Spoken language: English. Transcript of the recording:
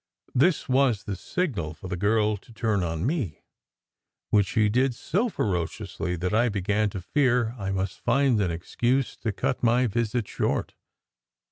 This was the signal for the girl to turn on me, which she did so ferociously that I began to fear I must find an excuse to cut my visit short.